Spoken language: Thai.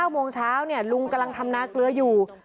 โมงเช้าลุงกำลังทำนาเกลืออยู่